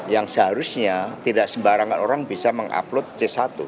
yang seharusnya tidak sembarangan orang bisa mengupload c satu